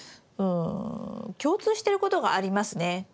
うん共通していることがありますね。